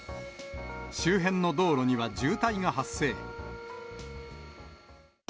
周辺の道路には渋滞が発生。